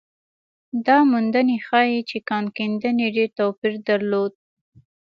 دا موندنې ښيي چې کان کیندنې ډېر توپیر درلود.